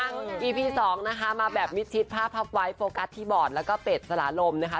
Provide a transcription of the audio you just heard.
อ้างอีพี๒นะคะมาแบบมิติภาพภาพไว้โฟกัสทีบอร์ดแล้วก็เป็ดสละลมนะคะ